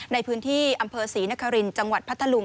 ในพื้นที่อำเภอศรีนครินทร์จังหวัดพัทธลุง